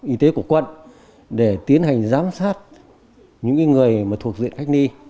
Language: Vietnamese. y tế của quận để tiến hành giám sát những người thuộc diện cách ly